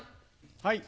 はい。